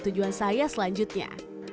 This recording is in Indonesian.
itu tujuan saya selanjutnya